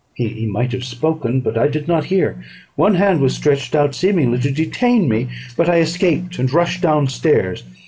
He might have spoken, but I did not hear; one hand was stretched out, seemingly to detain me, but I escaped, and rushed down stairs.